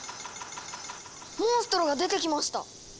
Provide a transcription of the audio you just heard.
モンストロが出てきました。